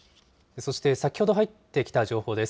そして先ほど入ってきた情報です。